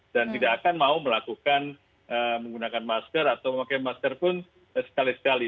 dan tidak akan mau melakukan menggunakan masker atau memakai masker pun sekali sekali